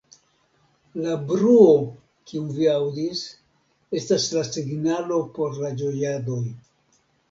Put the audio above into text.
La bruo, kiun vi aŭdis, estas la signalo por la ĝojadoj.